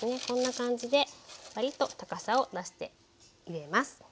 こんな感じでわりと高さを出して入れます。